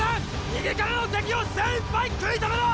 右からの敵を精いっぱい食い止めろ！